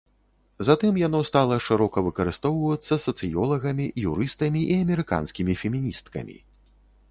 Затым яно стала шырока выкарыстоўвацца сацыёлагамі, юрыстамі і амерыканскімі феміністкамі.